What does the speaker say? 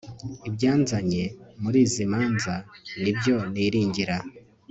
ibyanzanye muri izi manza ni byo niringira